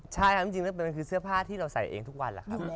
ใช่ครับมีความจริงเปลี่ยนว่ามันคือเสื้อผ้าที่เราใส่เองทุกวันอ่ะครับ